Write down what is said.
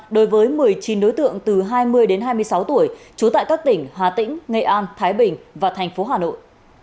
đối với một mươi chín đối tượng từ hai mươi đến hai mươi sáu tuổi trú tại các tỉnh hà tĩnh nghệ an thái bình và thành phố hà nội